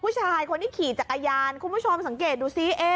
ผู้ชายคนที่ขี่จักรยานคุณผู้ชมสังเกตดูซิ